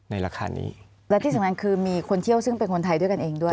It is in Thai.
ราคานี้และที่สำคัญคือมีคนเที่ยวซึ่งเป็นคนไทยด้วยกันเองด้วย